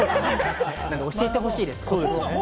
教えてほしいです。